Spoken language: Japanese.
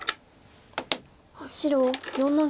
白４の十五。